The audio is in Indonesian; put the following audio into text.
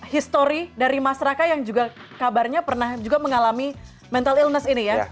histori dari masyarakat yang juga kabarnya pernah juga mengalami mental ilness ini ya